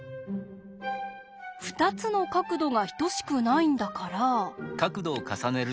２つの角度が等しくないんだから。